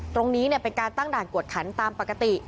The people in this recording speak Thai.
ตรงนี้เป็นการตั้งด่านกวดขันตามปกติ